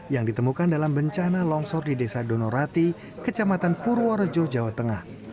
yang ditemukan dalam bencana longsor di desa donorati kecamatan purworejo jawa tengah